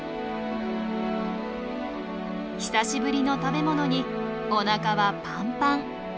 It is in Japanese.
久しぶりの食べ物におなかはパンパン。